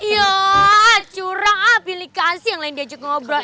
yaa curang aplikasi yang lain diajak ngobrol